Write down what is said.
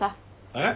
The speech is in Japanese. えっ？